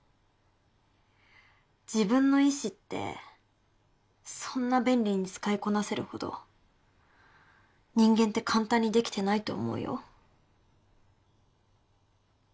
自分の意思ってそんな便利に使いこなせるほど人間って簡単にできてないと思うよ。